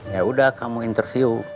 yaudah kamu interview